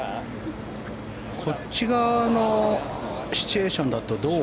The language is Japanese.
そっち側のシチュエーションだとどう？